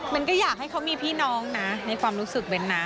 ก็อยากให้เขามีพี่น้องนะในความรู้สึกเบ้นนะ